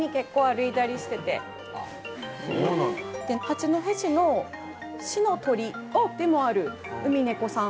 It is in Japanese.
八戸市の市の鳥でもあるうみねこさん。